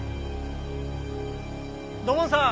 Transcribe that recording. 土門さん！